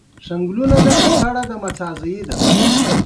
هغه به مړ شي.